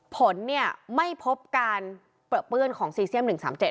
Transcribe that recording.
ผลไม่พบการเปลื้อนของซีเซียม๑๓๗